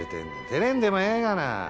照れんでもええがな。